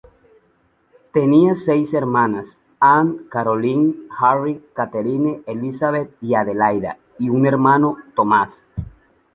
Tenía seis hermanas: Ann, Caroline, Harriet, Catherine, Elizabeth y Adelaida, y un hermano, Thomas.